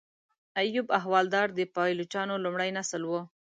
ایوب احوالدار د پایلوچانو لومړی نسل و.